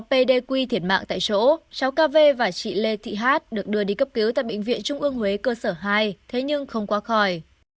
pdq thiệt mạng tại chỗ cháu kv và chị lê thị hát được đưa đi cấp cứu tại bệnh viện trung ương huế cơ sở hai thế nhưng không qua khỏi